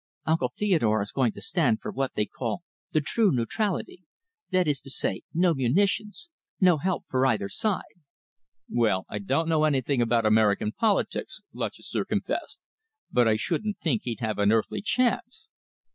Uncle Theodore is going to stand for what they call the true neutrality. That is to say, no munitions, no help for either side." "Well, I don't know anything about American politics," Lutchester confessed, "but I shouldn't think he'd have an earthly chance."